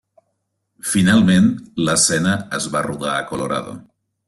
Finalment l'escena es va rodar a Colorado.